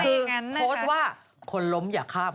คือข้อสตรวะคนล้มอย่าข้าม